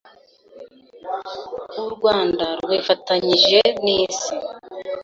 u Rwanda rwifatanyije n’isi